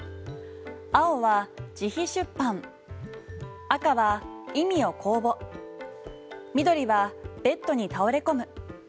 青は、自費出版赤は、意味を公募緑は、ベッドに倒れ込む。